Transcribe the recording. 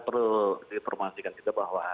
perlu diinformasikan kita bahwa